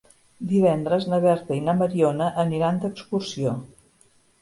Divendres na Berta i na Mariona aniran d'excursió.